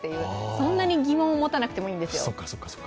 そんなに疑問を持たなくていいんですよ。